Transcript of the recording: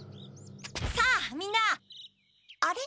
さあみんなあれ？